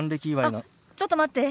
あっちょっと待って。